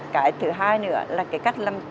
cái thứ hai nữa là cái cách làm